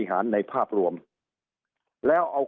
สุดท้ายก็ต้านไม่อยู่